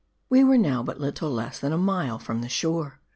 We were now but little less than a mile from the shore.